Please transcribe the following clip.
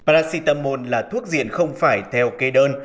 paracetamol là thuốc diện không phải theo kê đơn